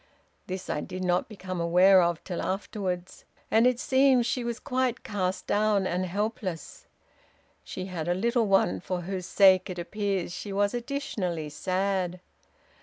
This I did not become aware of till afterwards, and, it seems, she was quite cast down and helpless. She had a little one for whose sake, it appears, she was additionally sad.